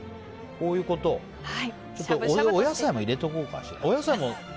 お野菜も入れておこうかしら。